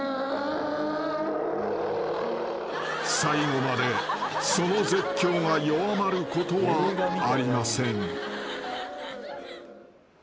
［最後までその絶叫が弱まることはありません］